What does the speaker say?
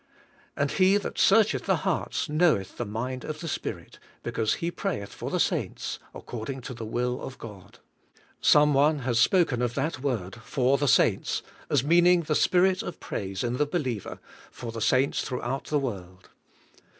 And He that search eth the hearts knovv^eth the mind of the Spirit, be cause he prayeth for the saints, according to the will of God. Some one has spoken of that word, *'for the saints,'' as meaning the spirit of praise in the believer for the saints throughout the world.